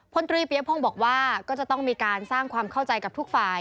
พลตรีเปียพงศ์บอกว่าก็จะต้องมีการสร้างความเข้าใจกับทุกฝ่าย